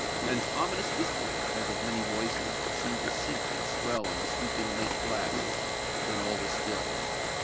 An ominous whispering, as of many voices, seemed to sink and swell on the sweeping night blast; then all was still.